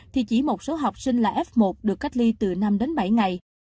thì chỉ một số học sinh là f một được cách ly từ năm đến bảy ngày